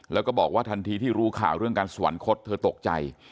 แล้วก็บอกว่าทันทีที่รู้ข่าวเรื่องการสวรรคตเธอตกใจ